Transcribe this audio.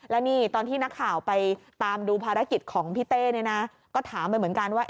แล้วนี่ตอนที่นักข่าวไปตามดูภารกิจของพี่เต้เนี่ยนะก็ถามไปเหมือนกันว่า